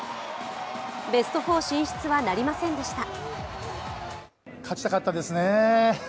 ベスト４進出はなりませんでした。